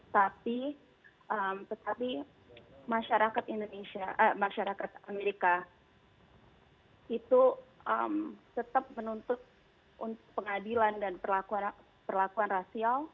tapi masyarakat amerika itu tetap menuntut untuk pengadilan dan perlakuan rasial